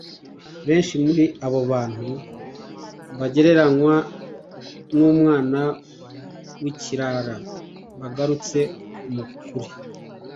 Benshi muri abo bantu bagereranywa n umwana w ikirara bagarutse mu kuri